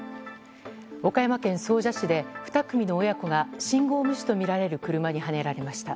岡山県総社市で２組の親子が信号無視とみられる車にはねられました。